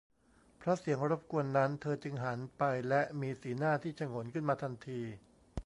เพราะเสียงรบกวนนั้น เธอจึงหันไปและมีสีหน้าที่ฉงนขึ้นมาทันที